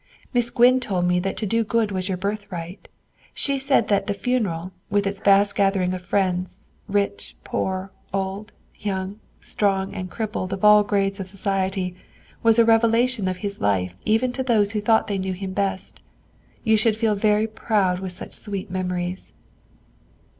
Miss Gwynne told me that to do good was your birthright. She said that the funeral, with its vast gathering of friends, rich, poor, old, young, strong, and crippled of all grades of society, was a revelation of his life even to those who thought they knew him best. You should feel very proud with such sweet memories."